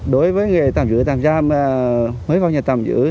đối với người tạm giữ tạm giam mới vào nhà tạm giữ